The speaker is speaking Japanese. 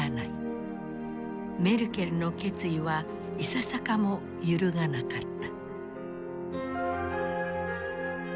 メルケルの決意はいささかも揺るがなかった。